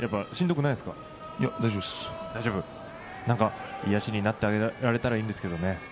なんか癒やしになってあげられたらいいんですけどね。